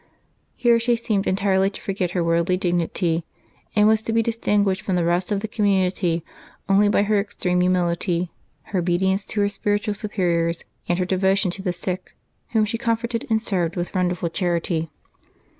Here she seemed entirely to forget her worldly dignity, and was to be distinguished from the rest of the community only by her extreme humility, her obedience to her spiritual superiors, and her devotion to the sick, whom she comforted and served with wonderful charity.